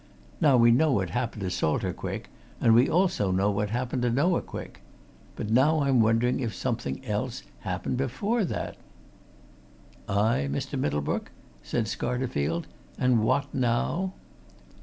Now we know what happened to Salter Quick, and we also know what happened to Noah Quick. But now I'm wondering if something else had happened before that?" "Aye, Mr. Middlebrook?" said Scarterfield. "And what, now?"